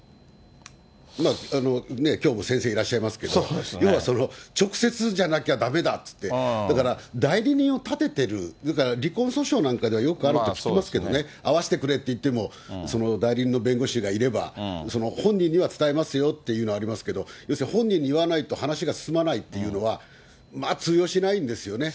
きょうも先生いらっしゃいますけれども、要は、その直接じゃなきゃだめだって、だから代理人を立ててる、離婚訴訟なんかではよくあると聞きますけどね、会わせてくれって言っても、代理人の弁護士がいれば、本人には伝えますよっていうのはありますけど、要するに本人に言わないと話が進まないっていうのは、通用しないんですよね。